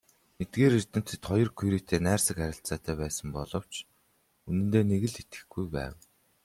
Эдгээр эрдэмтэд хоёр Кюретэй найрсаг харилцаатай байсан боловч үнэндээ нэг л итгэхгүй байв.